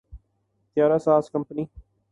طیارہ ساز کمپنی